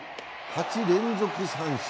８連続三振。